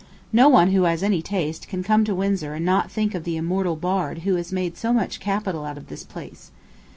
No one who has any taste can come to Windsor and not think of the immortal bard who has made so much capital out of this place.